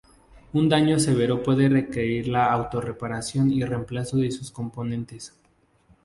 Un daño severo puede requerir la auto-reparación y reemplazo de sus componentes.